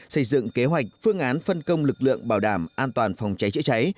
xây dựng kế hoạch phương án phân công lực lượng bảo đảm an toàn phòng cháy chữa cháy